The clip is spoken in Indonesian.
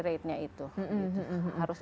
rate nya itu harus